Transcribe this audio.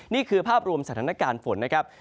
นี่คือภาพรวมสถานการณ์ฝนนะครับ